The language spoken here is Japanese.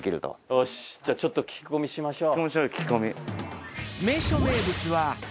よしじゃあちょっと聞き込みしましょう。